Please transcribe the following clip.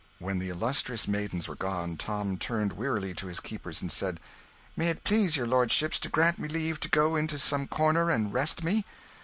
When the illustrious maidens were gone, Tom turned wearily to his keepers and said "May it please your lordships to grant me leave to go into some corner and rest me?"